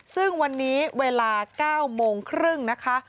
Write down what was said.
ซึ่งวันนี้เวลา๙โมงครึ่งนะคะ